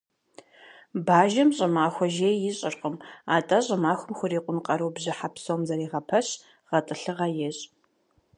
Бажэм щӏымахуэ жей ищӏыркъым, атӀэ щӏымахуэм хурикъун къару бжьыхьэ псом зэрегъэпэщ, гъэтӏылъыгъэ ещӏ.